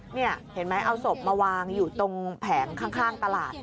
นี่เห็นไหมเอาศพมาวางอยู่ตรงแผงข้างตลาด